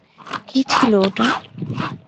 কি ছিল ওটা?